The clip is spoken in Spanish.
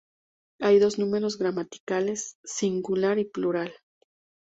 Hay dos números gramaticales: singular y plural.